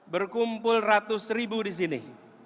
berkumpul ratus ribu disini